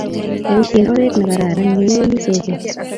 boisien oret ne kararan ya iwendi soket